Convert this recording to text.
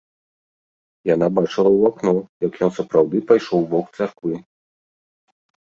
Яна бачыла ў акно, як ён сапраўды пайшоў у бок царквы.